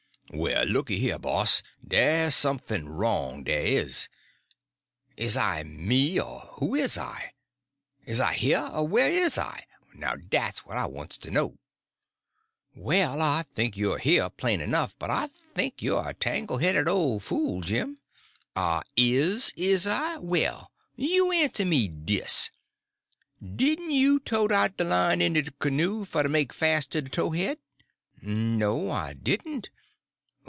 "Well, looky here, boss, dey's sumf'n wrong, dey is. Is I me, or who is I? Is I heah, or whah is I? Now dat's what I wants to know." "Well, I think you're here, plain enough, but I think you're a tangle headed old fool, Jim." "I is, is I? Well, you answer me dis: Didn't you tote out de line in de canoe fer to make fas' to de tow head?" "No, I didn't.